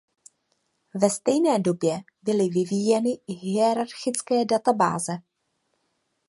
Ve stejné době byly vyvíjeny i hierarchické databáze.